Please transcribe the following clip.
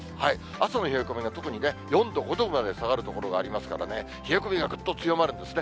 朝の冷え込みが特にね、４度、５度まで下がる所がありますからね、冷え込みがぐっと強まるんですね。